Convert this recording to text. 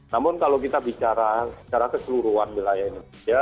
namun kalau kita bicara secara keseluruhan wilayah indonesia